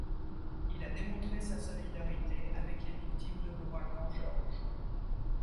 Il a démontré sa solidarité avec les victimes de l'ouragan Georges.